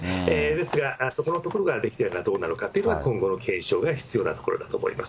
ですが、そこのところができてたかどうなのかというところが今後の検証が必要なところだと思います。